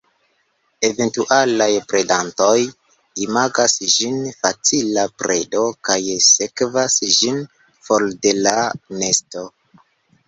Eventualaj predantoj imagas ĝin facila predo kaj sekvas ĝin for de la nesto.